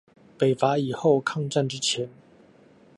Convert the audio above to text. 北伐以後，抗戰之前